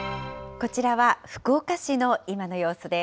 こちらは福岡市の今の様子です。